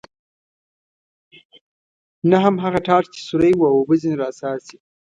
نه هم هغه ټاټ چې سوری و او اوبه ځنې را څاڅي.